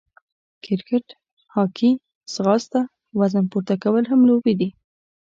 کرکېټ، هاکې، ځغاسته، وزن پورته کول هم لوبې دي.